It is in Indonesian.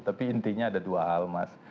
tapi intinya ada dua hal mas